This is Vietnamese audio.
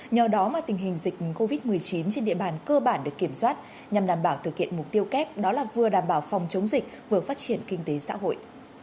nhờ đó mà tình hình dịch covid một mươi chín trên địa bàn cơ bản được kiểm soát nhằm đảm bảo thực hiện mục tiêu kép đó là vừa đảm bảo phòng chống dịch vừa phát triển kinh tế xã hội